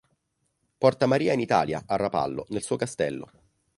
Porta Maria in Italia, a Rapallo, nel suo castello.